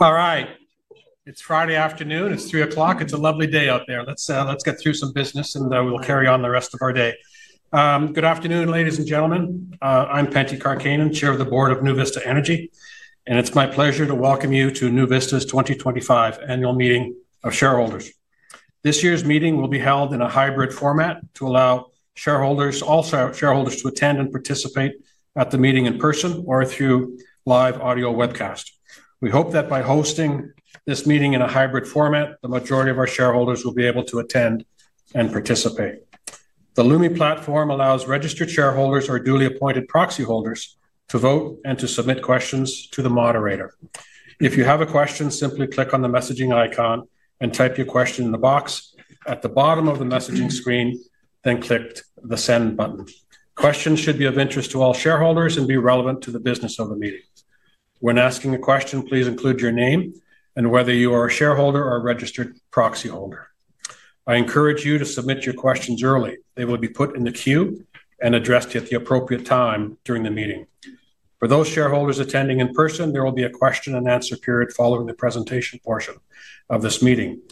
All right. It's Friday afternoon. It's 3:00 P.M. It's a lovely day out there. Let's get through some business, and we'll carry on the rest of our day. Good afternoon, ladies and gentlemen. I'm Pentti Karkkainen, Chair of the Board of NuVista Energy, and it's my pleasure to welcome you to NuVista's 2025 Annual Meeting of Shareholders. This year's meeting will be held in a hybrid format to allow shareholders to attend and participate at the meeting in person or through live audio webcast. We hope that by hosting this meeting in a hybrid format, the majority of our shareholders will be able to attend and participate. The Lumi platform allows registered shareholders or duly appointed proxy holders to vote and to submit questions to the moderator. If you have a question, simply click on the messaging icon and type your question in the box at the bottom of the messaging screen, then click the send button. Questions should be of interest to all shareholders and be relevant to the business of the meeting. When asking a question, please include your name and whether you are a shareholder or a registered proxy holder. I encourage you to submit your questions early. They will be put in the queue and addressed at the appropriate time during the meeting. For those shareholders attending in person, there will be a question and answer period following the presentation portion of this meeting.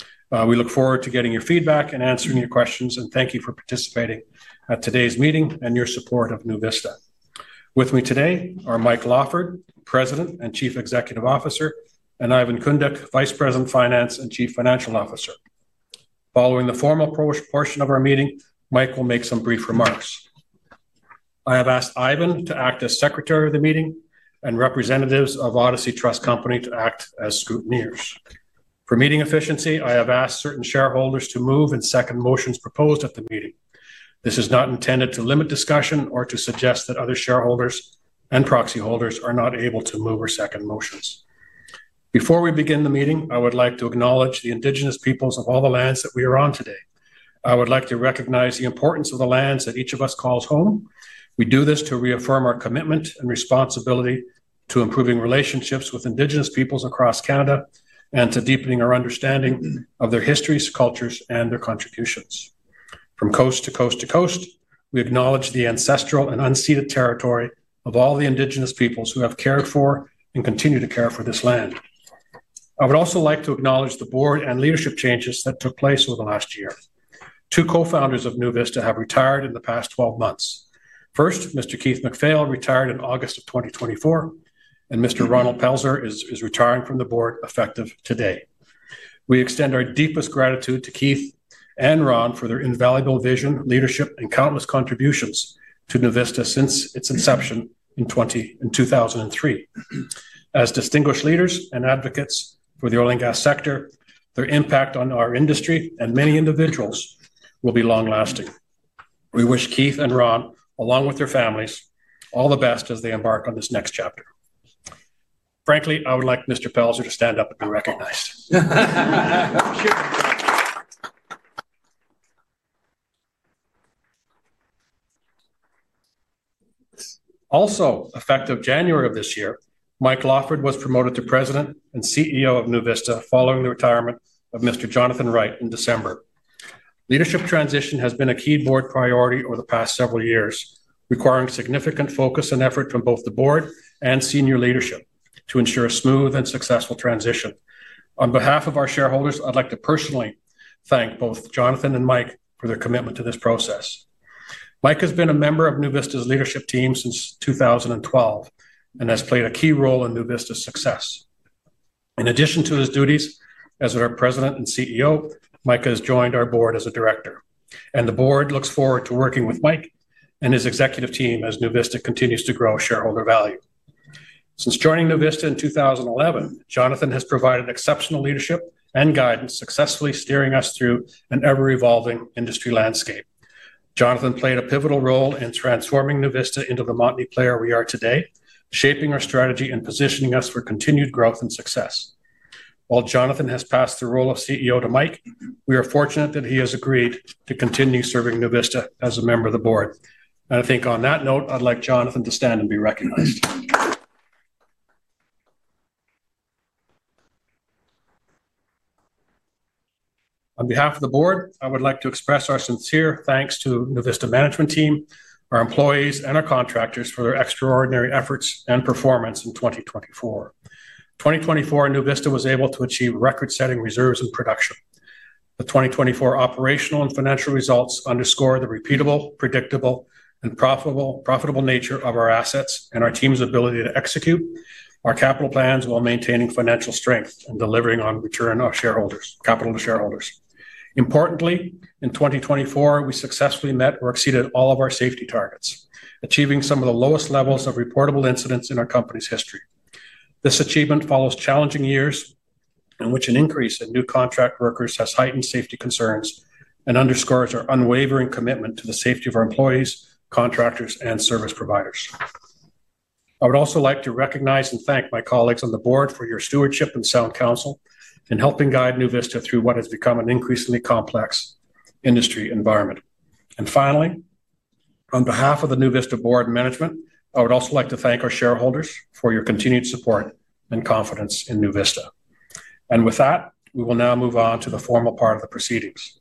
We look forward to getting your feedback and answering your questions, and thank you for participating at today's meeting and your support of NuVista. With me today are Mike Lawford, President and Chief Executive Officer, and Ivan Condic, Vice President Finance and Chief Financial Officer. Following the formal portion of our meeting, Mike will make some brief remarks. I have asked Ivan to act as Secretary of the Meeting and representatives of Odyssey Trust Company to act as Scrutineers. For meeting efficiency, I have asked certain shareholders to move and second motions proposed at the meeting. This is not intended to limit discussion or to suggest that other shareholders and proxy holders are not able to move or second motions. Before we begin the meeting, I would like to acknowledge the Indigenous peoples of all the lands that we are on today. I would like to recognize the importance of the lands that each of us calls home. We do this to reaffirm our commitment and responsibility to improving relationships with Indigenous peoples across Canada and to deepening our understanding of their histories, cultures, and their contributions. From coast to coast to coast, we acknowledge the ancestral and unceded territory of all the Indigenous peoples who have cared for and continue to care for this land. I would also like to acknowledge the board and leadership changes that took place over the last year. Two co-founders of NuVista have retired in the past 12 months. First, Mr. Keith McPhail retired in August of 2024, and Mr. Ronald Poelzer is retiring from the board effective today. We extend our deepest gratitude to Keith and Ron for their invaluable vision, leadership, and countless contributions to NuVista since its inception in 2003. As distinguished leaders and advocates for the oil and gas sector, their impact on our industry and many individuals will be long-lasting. We wish Keith and Ron, along with their families, all the best as they embark on this next chapter. Frankly, I would like Mr. Poelzer to stand up and be recognized. Also, effective January of this year, Mike Lawford was promoted to President and CEO of NuVista following the retirement of Mr. Jonathan Wright in December. Leadership transition has been a key board priority over the past several years, requiring significant focus and effort from both the board and senior leadership to ensure a smooth and successful transition. On behalf of our shareholders, I'd like to personally thank both Jonathan and Mike for their commitment to this process. Mike has been a member of NuVista's leadership team since 2012 and has played a key role in NuVista's success. In addition to his duties as our President and CEO, Mike has joined our board as a director, and the board looks forward to working with Mike and his executive team as NuVista continues to grow shareholder value. Since joining NuVista in 2011, Jonathan has provided exceptional leadership and guidance, successfully steering us through an ever-evolving industry landscape. Jonathan played a pivotal role in transforming NuVista into the motley player we are today, shaping our strategy and positioning us for continued growth and success. While Jonathan has passed the role of CEO to Mike, we are fortunate that he has agreed to continue serving NuVista as a member of the board. I think on that note, I'd like Jonathan to stand and be recognized. On behalf of the board, I would like to express our sincere thanks to the NuVista management team, our employees, and our contractors for their extraordinary efforts and performance in 2024. In 2024, NuVista was able to achieve record-setting reserves in production. The 2024 operational and financial results underscore the repeatable, predictable, and profitable nature of our assets and our team's ability to execute our capital plans while maintaining financial strength and delivering on return of capital to shareholders. Importantly, in 2024, we successfully met or exceeded all of our safety targets, achieving some of the lowest levels of reportable incidents in our company's history. This achievement follows challenging years in which an increase in new contract workers has heightened safety concerns and underscores our unwavering commitment to the safety of our employees, contractors, and service providers. I would also like to recognize and thank my colleagues on the board for your stewardship and sound counsel in helping guide NuVista through what has become an increasingly complex industry environment. Finally, on behalf of the NuVista board and management, I would also like to thank our shareholders for your continued support and confidence in NuVista. With that, we will now move on to the formal part of the proceedings.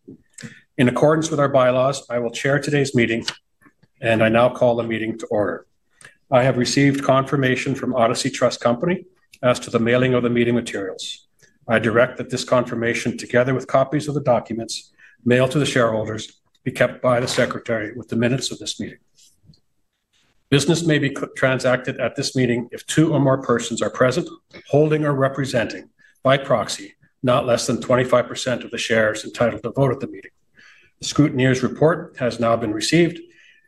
In accordance with our bylaws, I will chair today's meeting, and I now call the meeting to order. I have received confirmation from Odyssey Trust Company as to the mailing of the meeting materials. I direct that this confirmation, together with copies of the documents mailed to the shareholders, be kept by the secretary with the minutes of this meeting. Business may be transacted at this meeting if two or more persons are present, holding or representing by proxy, not less than 25% of the shares entitled to vote at the meeting. The scrutineer's report has now been received,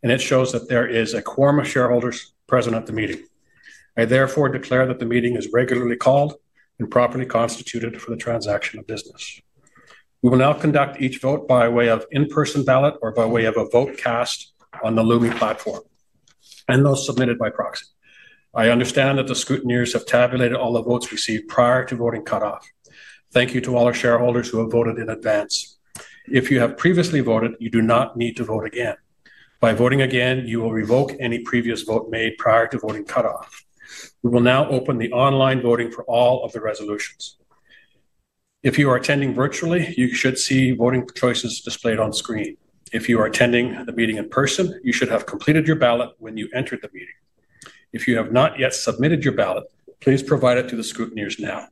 and it shows that there is a quorum of shareholders present at the meeting. I therefore declare that the meeting is regularly called and properly constituted for the transaction of business. We will now conduct each vote by way of in-person ballot or by way of a vote cast on the Lumi platform, and those submitted by proxy. I understand that the scrutineers have tabulated all the votes received prior to voting cutoff. Thank you to all our shareholders who have voted in advance. If you have previously voted, you do not need to vote again. By voting again, you will revoke any previous vote made prior to voting cutoff. We will now open the online voting for all of the resolutions. If you are attending virtually, you should see voting choices displayed on screen. If you are attending the meeting in person, you should have completed your ballot when you entered the meeting. If you have not yet submitted your ballot, please provide it to the scrutineers now.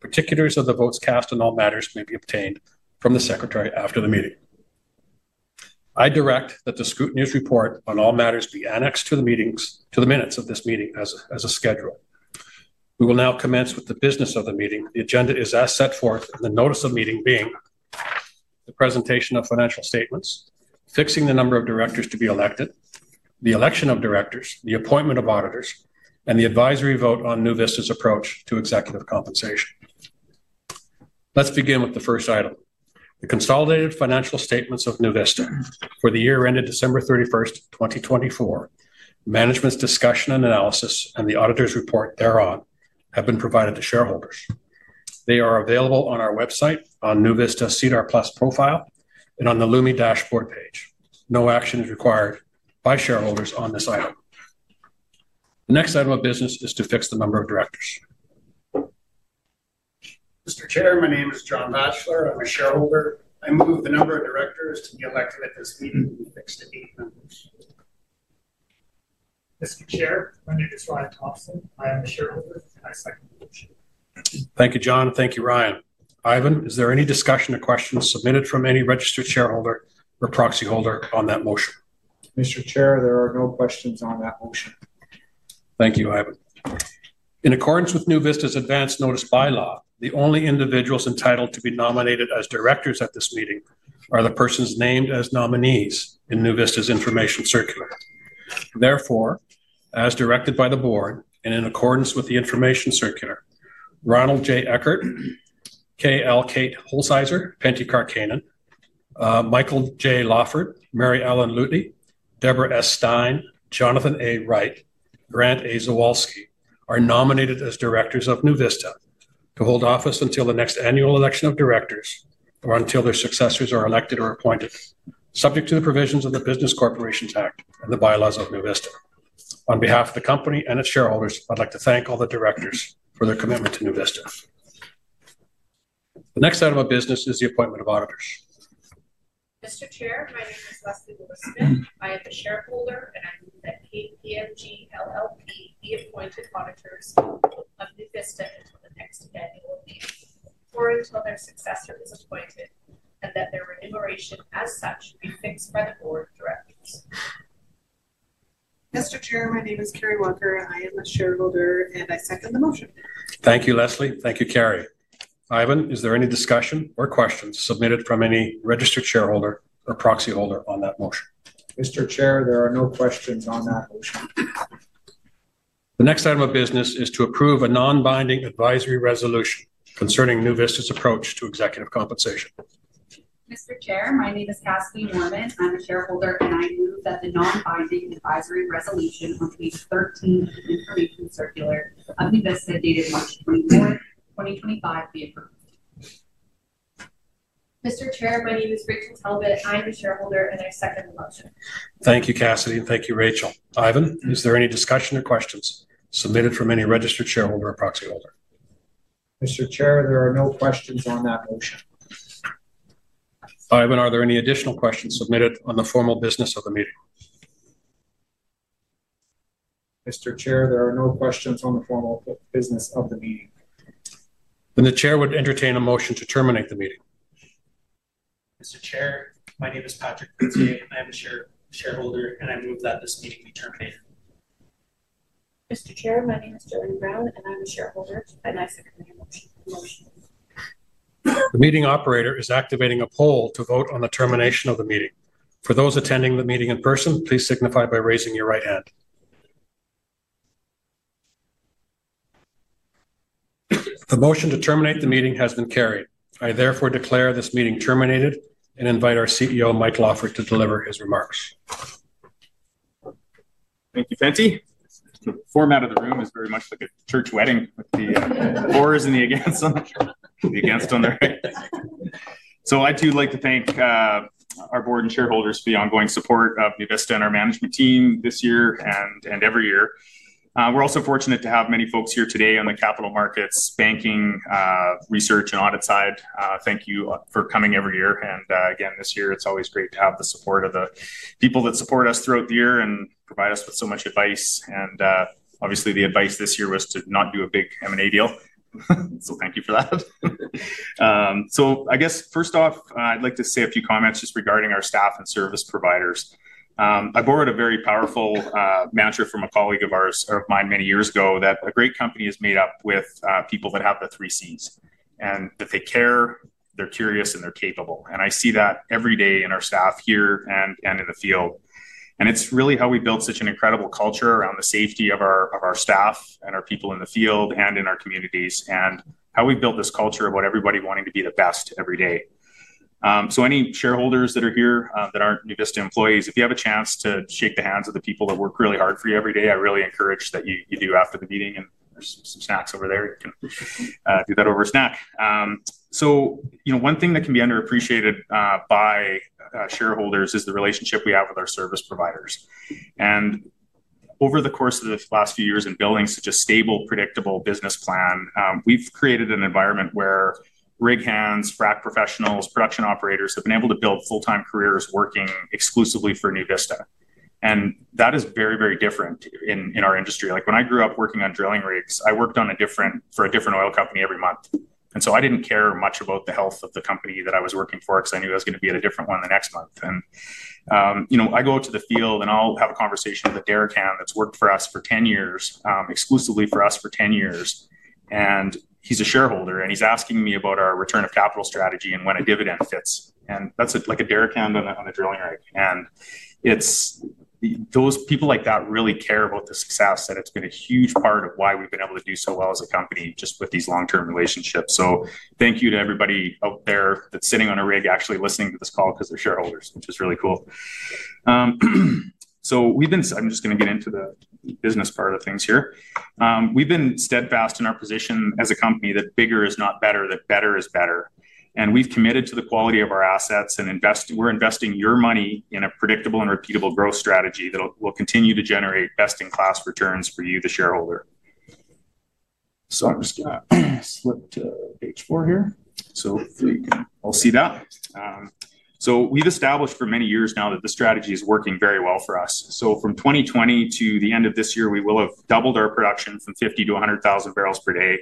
Particulars of the votes cast on all matters may be obtained from the secretary after the meeting. I direct that the scrutineer's report on all matters be annexed to the minutes of this meeting as a schedule. We will now commence with the business of the meeting. The agenda is as set forth, the notice of meeting being the presentation of financial statements, fixing the number of directors to be elected, the election of directors, the appointment of auditors, and the advisory vote on NuVista's approach to executive compensation. Let's begin with the first item, the consolidated financial statements of NuVista for the year ended December 31, 2024. Management's discussion and analysis and the auditor's report thereof have been provided to shareholders. They are available on our website, on NuVista's SEDAR+ profile, and on the Lumi dashboard page. No action is required by shareholders on this item. The next item of business is to fix the number of directors. Mr. Chair, my name is Jon Batchelor. I'm a shareholder. I move the number of directors to be elected at this meeting and fixed to eight members. Mr. Chair, my name is Ryan Thompson. I am a shareholder. I second the motion. Thank you, Jon. Thank you, Ryan. Ivan, is there any discussion or questions submitted from any registered shareholder or proxy holder on that motion? Mr. Chair, there are no questions on that motion. Thank you, Ivan. In accordance with NuVista's advance notice bylaw, the only individuals entitled to be nominated as directors at this meeting are the persons named as nominees in NuVista's information circular. Therefore, as directed by the board and in accordance with the information circular, Ronald J. Eckhardt, K.L. Kate Holzhauser, Pentti Karkkainen, Michael J. Lawford, Mary Ellen Lutey, Deborah S. Stein, Jonathan A. Wright, Grant A. Zawalsky are nominated as the Directors of NuVista to hold office until next annual election of directors or until their successors are elected or appointed subject to the provisions of the Business Corporation Act, the bylaws of NuVista. On behalf of the company and its shareholders, I'd like to thank all the directors for theor commitment to NuVista. The next item of business is the appointment of honors. Mr. Chair, my name is Leslie Willis Smith. I am a shareholder, and I move that KPMG LLP be appointed auditors of NuVista until the next annual meeting or until their successor is appointed and that their remuneration as such be fixed by the board of directors. Mr. Chair, my name is Carrie Walker. I am a shareholder, and I second the motion. Thank you, Leslie. Thank you, Carrie. Ivan, is there any discussion or questions submitted from any registered shareholder or proxy holder on that motion? Mr. Chair, there are no questions on that motion. The next item of business is to approve a non-binding advisory resolution concerning NuVista's approach to executive compensation. Mr. Chair, my name is Cassidee Norman. I'm a shareholder, and I move that the non-binding advisory resolution on page 13 of the information circular of NuVista dated March 24, 2025 be approved. Mr. Chair, my name is Rachel Talbot. I'm a shareholder, and I second the motion. Thank you, Cassidee, and thank you, Rachel. Ivan, is there any discussion or questions submitted from any registered shareholder or proxy holder? Mr. Chair, there are no questions on that motion. Ivan, are there any additional questions submitted on the formal business of the meeting? Mr. Chair, there are no questions on the formal business of the meeting. The chair would entertain a motion to terminate the meeting. Mr. Chair, my name is Patrick Pritze. I am a shareholder, and I move that this meeting be terminated. Mr. Chair, my name is Jillian Brown, and I'm a shareholder, and I second the motion. The meeting operator is activating a poll to vote on the termination of the meeting. For those attending the meeting in person, please signify by raising your right hand. The motion to terminate the meeting has been carried. I therefore declare this meeting terminated and invite our CEO, Mike Lawford, to deliver his remarks. Thank you, Penttii. The format of the room is very much like a church wedding with the fores and the against on the right. I'd like to thank our board and shareholders for the ongoing support of NuVista and our management team this year and every year. We're also fortunate to have many folks here today on the capital markets, banking, research, and audit side. Thank you for coming every year. Again, this year, it's always great to have the support of the people that support us throughout the year and provide us with so much advice. Obviously, the advice this year was to not do a big M&A deal. Thank you for that. I guess, first off, I'd like to say a few comments just regarding our staff and service providers. I borrowed a very powerful mantra from a colleague of mine many years ago that a great company is made up with people that have the three C's and that they care, they're curious, and they're capable. I see that every day in our staff here and in the field. It's really how we built such an incredible culture around the safety of our staff and our people in the field and in our communities and how we built this culture of everybody wanting to be the best every day. Any shareholders that are here that aren't NuVista employees, if you have a chance to shake the hands of the people that work really hard for you every day, I really encourage that you do after the meeting. There's some snacks over there. You can do that over a snack. One thing that can be underappreciated by shareholders is the relationship we have with our service providers. Over the course of the last few years in building such a stable, predictable business plan, we've created an environment where rig hands, frac professionals, production operators have been able to build full-time careers working exclusively for NuVista. That is very, very different in our industry. When I grew up working on drilling rigs, I worked for a different oil company every month. I didn't care much about the health of the company that I was working for because I knew I was going to be at a different one the next month. I go out to the field and I'll have a conversation with a derrick hand that's worked for us for 10 years, exclusively for us for 10 years. He's a shareholder and he's asking me about our return of capital strategy and when a dividend fits. That's like a derrick hand on a drilling rig. People like that really care about the success, and it's been a huge part of why we've been able to do so well as a company, just with these long-term relationships. Thank you to everybody out there that's sitting on a rig actually listening to this call because they're shareholders, which is really cool. I'm just going to get into the business part of things here. We've been steadfast in our position as a company that bigger is not better, that better is better. We've committed to the quality of our assets and we're investing your money in a predictable and repeatable growth strategy that will continue to generate best-in-class returns for you, the shareholder. I'm just going to slip to page four here. I'll see that. We've established for many years now that this strategy is working very well for us. From 2020 to the end of this year, we will have doubled our production from 50,000 to 100,000 barrels per day.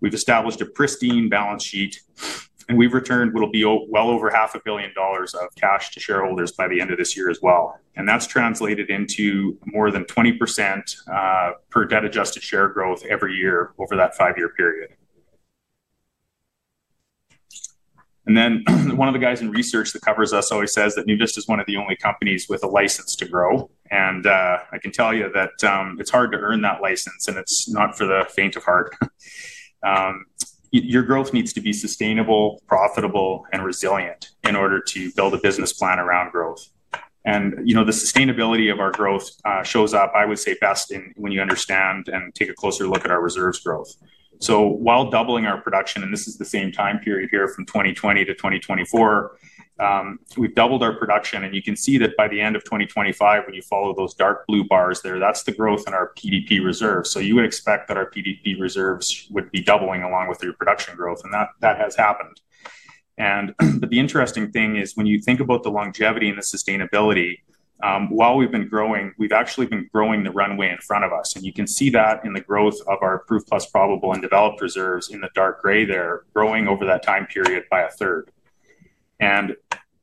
We've established a pristine balance sheet, and we've returned what will be well over $500 million of cash to shareholders by the end of this year as well. That's translated into more than 20% per debt-adjusted share growth every year over that five-year period. One of the guys in research that covers us always says that NuVista is one of the only companies with a license to grow. I can tell you that it's hard to earn that license, and it's not for the faint of heart. Your growth needs to be sustainable, profitable, and resilient in order to build a business plan around growth. The sustainability of our growth shows up, I would say, best when you understand and take a closer look at our reserves growth. While doubling our production, and this is the same time period here from 2020-2024, we've doubled our production. You can see that by the end of 2025, when you follow those dark blue bars there, that's the growth in our PDP reserves. You would expect that our PDP reserves would be doubling along with your production growth. That has happened. The interesting thing is when you think about the longevity and the sustainability, while we've been growing, we've actually been growing the runway in front of us. You can see that in the growth of our proved plus probable and developed reserves in the dark gray there, growing over that time period by a third.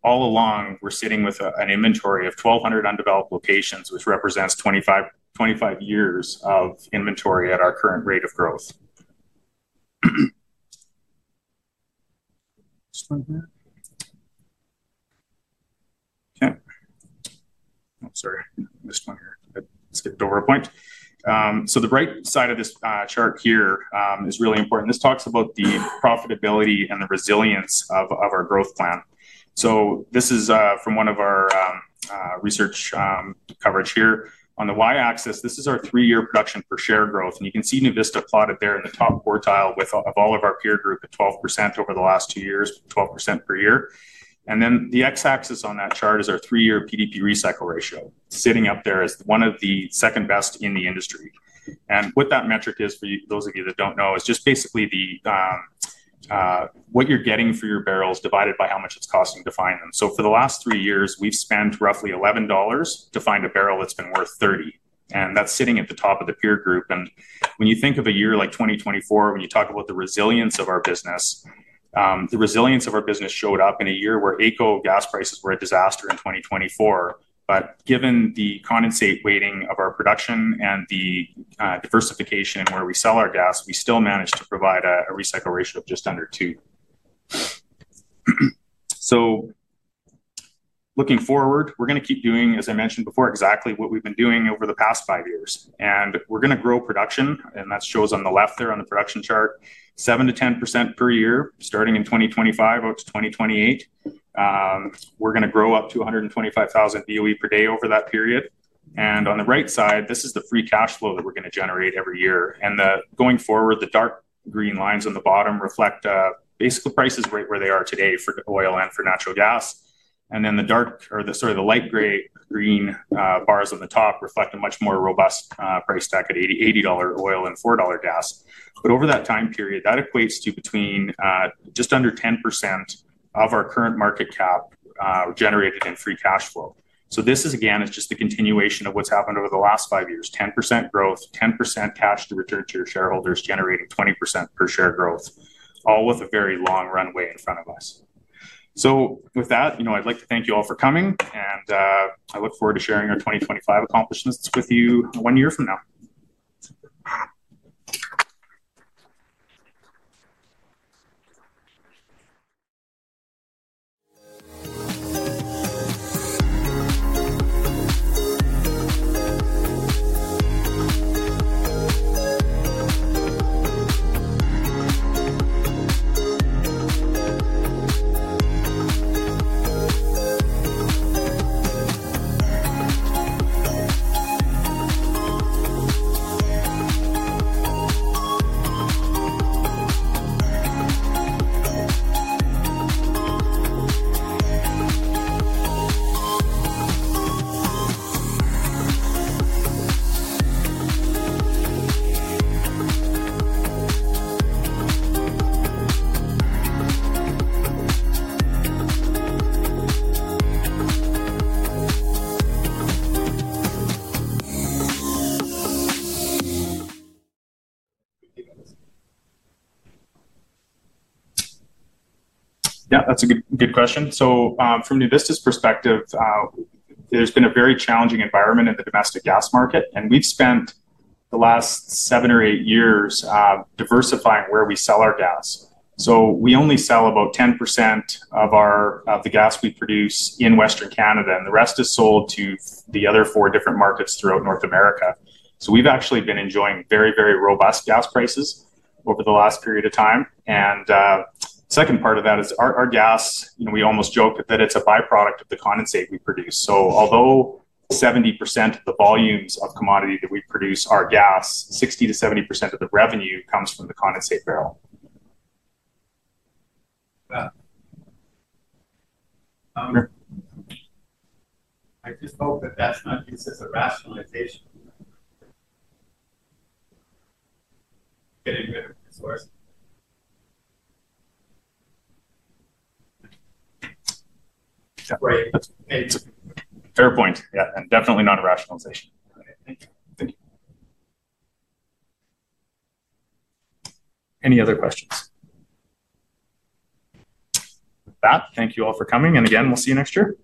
All along, we're sitting with an inventory of 1,200 undeveloped locations, which represents 25 years of inventory at our current rate of growth. Okay. Sorry, I missed one here. Let's get to our point. The right side of this chart here is really important. This talks about the profitability and the resilience of our growth plan. This is from one of our research coverage here. On the Y axis, this is our three-year production per share growth. You can see NuVista plotted there in the top quartile with all of our peer group at 12% over the last two years, 12% per year. The X axis on that chart is our three-year PDP recycle ratio, sitting up there as one of the second best in the industry. What that metric is, for those of you that do not know, is just basically what you are getting for your barrels divided by how much it is costing to find them. For the last three years, we have spent roughly $11 to find a barrel that has been worth $30. That is sitting at the top of the peer group. When you think of a year like 2024, when you talk about the resilience of our business, the resilience of our business showed up in a year where ACO gas prices were a disaster in 2024. Given the condensate weighting of our production and the diversification where we sell our gas, we still managed to provide a recycle ratio of just under 2. Looking forward, we're going to keep doing, as I mentioned before, exactly what we've been doing over the past five years. We're going to grow production, and that shows on the left there on the production chart, 7%-10% per year, starting in 2025 out to 2028. We're going to grow up to 125,000 BOE per day over that period. On the right side, this is the free cash flow that we're going to generate every year. Going forward, the dark green lines on the bottom reflect basically prices right where they are today for oil and for natural gas. The light gray green bars on the top reflect a much more robust price stack at $80 oil and $4 gas. Over that time period, that equates to just under 10% of our current market cap generated in free cash flow. This is, again, just the continuation of what's happened over the last five years: 10% growth, 10% cash to return to your shareholders generating 20% per share growth, all with a very long runway in front of us. With that, I'd like to thank you all for coming, and I look forward to sharing our 2025 accomplishments with you one year from now. Yeah, that's a good question. From NuVista's perspective, there's been a very challenging environment in the domestic gas market. We've spent the last seven or eight years diversifying where we sell our gas. We only sell about 10% of the gas we produce in Western Canada, and the rest is sold to the other four different markets throughout North America. We've actually been enjoying very, very robust gas prices over the last period of time. The second part of that is our gas, we almost joke that it's a byproduct of the condensate we produce. Although 70% of the volumes of commodity that we produce are gas, 60%-70% of the revenue comes from the condensate barrel. I just hope that that's not used as a rationalization. Getting rid of resources. Fair point. Yeah, definitely not a rationalization. Thank you. Any other questions? With that, thank you all for coming. Again, we'll see you next year.